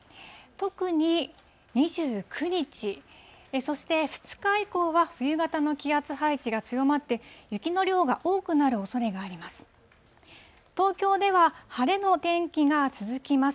特に２９日、そして２日以降は冬型の気圧配置が強まって、雪の量が多くなるおそれがあります。